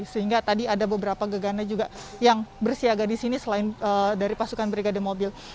sehingga tadi ada beberapa gegana juga yang bersiaga di sini selain dari pasukan brigade mobil